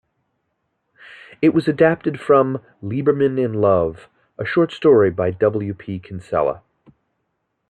It was adapted from "Lieberman in Love", a short story by W. P. Kinsella.